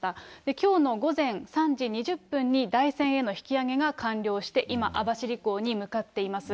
きょうの午前３時２０分に台船への引き揚げが完了して、今、網走港に向かっています。